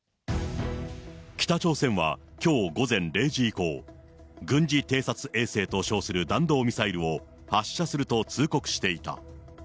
北朝鮮はきょう午前０時以降、軍事偵察衛星と称する弾道ミサイルを発射すると通告していた。